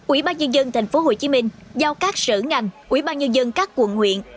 ủy ban nhân dân tp hcm giao các sở ngành ủy ban nhân dân các quận huyện